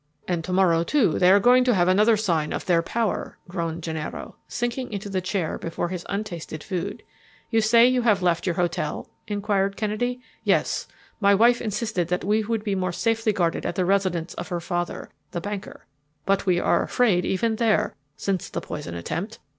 "And to morrow, too, they are going to give another sign of their power," groaned Gennaro, sinking into the chair before his untasted food. "You say you have left your hotel?" inquired Kennedy. "Yes. My wife insisted that we would be more safely guarded at the residence of her father, the banker. But we are afraid even there since the poison attempt.